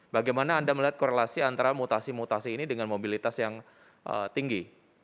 bagaimana anda melihat korelasi antara mutasi mutasi ini dengan mobilitas yang tinggi